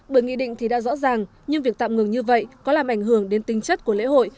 bởi nghị định thì đã rõ ràng nhưng việc tạm ngừng như vậy có làm ảnh hưởng đến tinh chất của lễ hội